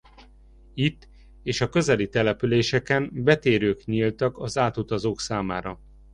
Itt és a közeli településeken betérők nyíltak az átutazók számára.